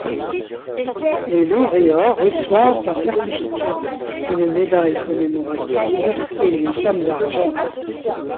Les lauréats reçoivent un certificat, une médaille commémorative et une somme d'argent.